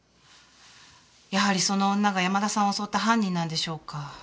やはりその女が山田さんを襲った犯人なんでしょうか？